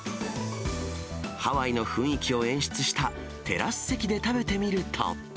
ハワイの雰囲気を演出したテラス席で食べてみると。